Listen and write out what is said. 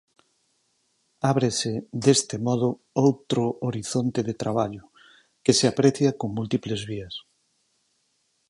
Ábrese deste modo outro horizonte de traballo, que se aprecia con múltiples vías.